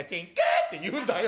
って言うんだよ。